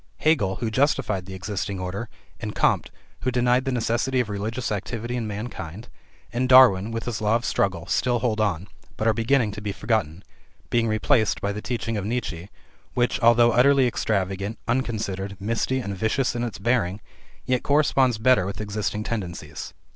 Hegel, who justified the existing order, and Comte, who denied the necessity of religious activity in mankind, and Darwin with his law of struggle, still hold on, but are beginning to be forgotten, being replaced by the teaching of Nietzsche, which, altho utterly extravagant, unconsidered, misty, and vicious in its bearing, yet corresponds better with existing tendencies.